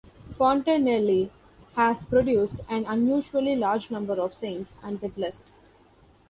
Fontenelle has produced an unusually large number of saints and the blessed.